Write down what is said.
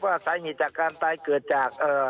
ก็สามารถมีจากการตายเกิดจาก